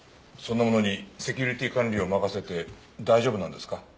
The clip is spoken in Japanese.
そんなものにセキュリティー管理を任せて大丈夫なんですか？